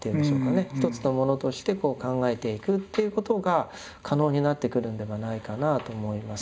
一つのものとして考えていくっていうことが可能になってくるんではないかなあと思います。